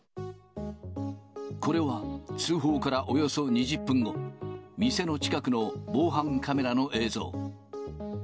これは通報からおよそ２０分後、店の近くの防犯カメラの映像。